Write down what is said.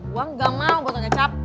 gue nggak mau buat ngecap